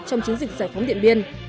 trong chiến dịch giải phóng điện biên